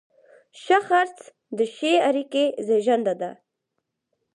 ښه خرڅ د ښې اړیکې زیږنده ده.